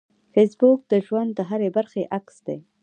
فېسبوک د ژوند د هرې برخې عکس دی